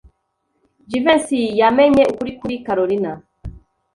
Jivency yamenye ukuri kuri Kalorina.